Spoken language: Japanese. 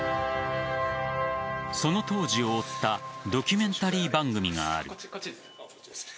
その当時を追ったドキュメンタリー番組がある。